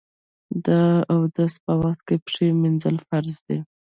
د اودس په وخت کې پښې مینځل فرض دي.